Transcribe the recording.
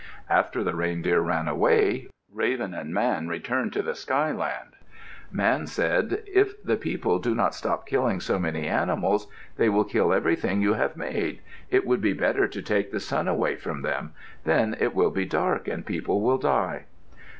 After the reindeer ran away, Raven and Man returned to the skyland. Man said, "If the people do not stop killing so many animals, they will kill everything you have made. It would be better to take the sun away from them. Then it will be dark and people will die."